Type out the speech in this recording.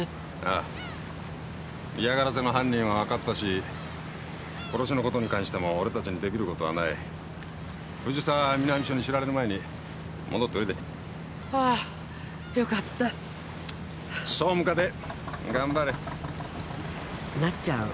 ああ嫌がらせの犯人は分かったし殺しのことに関しても俺たちにできることはない藤沢南署に知られる前に戻っておいでああよかった総務課で頑張れなっちゃん